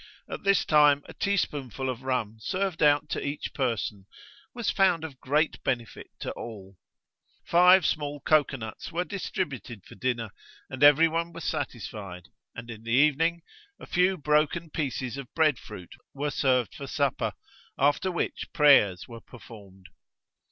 At this time a teaspoonful of rum served out to each person was found of great benefit to all. Five small cocoa nuts were distributed for dinner, and every one was satisfied; and in the evening, a few broken pieces of bread fruit were served for supper, after which prayers were performed.